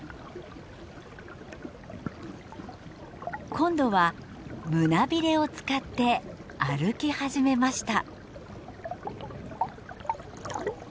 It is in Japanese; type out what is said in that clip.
今度は胸びれを使って歩き始めました。